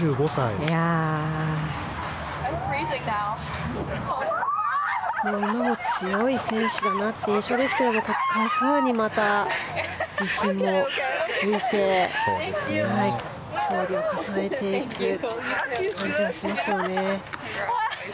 でも、今も強い選手だなという印象ですが更にまた自信もついて勝利を重ねていく感じがしますよね。